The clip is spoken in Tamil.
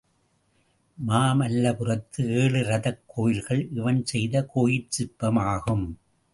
மாமல்லபுரத்து ஏழு ரதக் கோயில்கள் இவன் செய்த கோயிற் சிற்பம் ஆகும்.